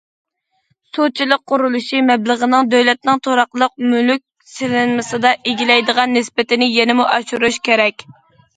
سۇچىلىق قۇرۇلۇشى مەبلىغىنىڭ دۆلەتنىڭ تۇراقلىق مۈلۈك سېلىنمىسىدا ئىگىلەيدىغان نىسبىتىنى يەنىمۇ ئاشۇرۇش كېرەك.